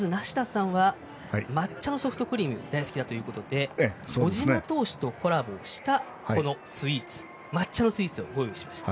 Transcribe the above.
まず梨田さんは抹茶のソフトクリームが大好きだということで小島投手とコラボした抹茶のスイーツをご用意しました。